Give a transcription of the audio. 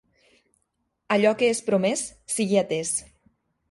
Allò que és promès, sigui atès.